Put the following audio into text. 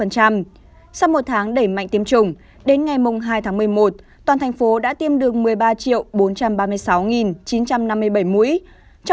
sau một tháng đẩy mạnh tiêm chủng đến ngày mùng hai tháng một mươi một toàn thành phố đã tiêm được một mươi ba bốn trăm ba mươi sáu chín trăm năm mươi bảy mũi trong đó có bảy sáu trăm chín mươi chín một trăm bảy mươi tám người tiêm mũi một đạt trên một trăm linh